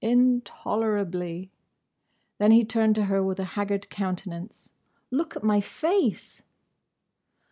"Intolerably." Then he turned to her with a haggard countenance. "Look at my face!"